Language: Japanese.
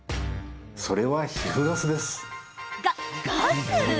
それは皮膚ガスです。